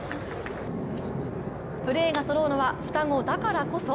プレーがそろうのは双子だからこそ！？